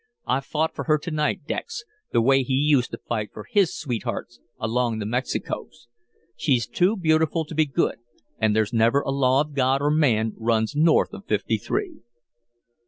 I fought for her to night Dex the way he used to fight for his sweethearts along the Mexicos. She's too beautiful to be good and 'there's never a law of God or man runs north of Fifty three.'"